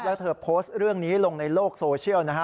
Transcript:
แล้วเธอโพสต์เรื่องนี้ลงในโลกโซเชียลนะฮะ